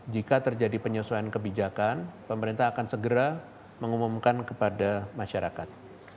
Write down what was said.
jika terjadi penyesuaian kebijakan pemerintah akan segera mengumumkan kepada masyarakat